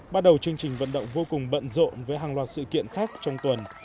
bắt đầu chương trình vận động vô cùng bận rộn với hàng loạt sự kiện khác trong tuần